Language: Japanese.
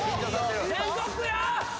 全国区よ！